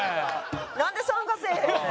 なんで参加せえへんねん！